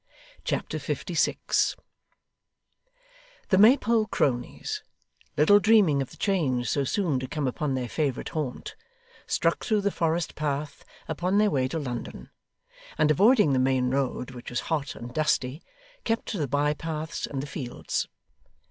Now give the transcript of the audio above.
Chapter 56 The Maypole cronies, little dreaming of the change so soon to come upon their favourite haunt, struck through the Forest path upon their way to London; and avoiding the main road, which was hot and dusty, kept to the by paths and the fields.